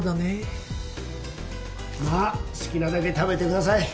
まあ好きなだけ食べてください。